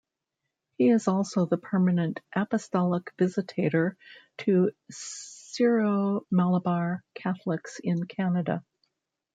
He is also the permanent Apostolic Visitator to Syro-Malabar Catholics in Canada.